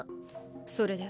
それで？